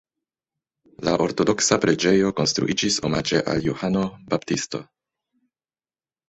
La ortodoksa preĝejo konstruiĝis omaĝe al Johano Baptisto.